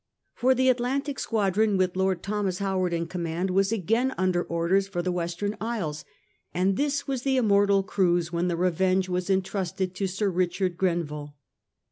For the Atlantic squadron, with Lord Thomas Howard in command, was again under orders for the Western Isles, and this was the immortal cruise when the Revenge was entrusted to Sir Eichard Grenville.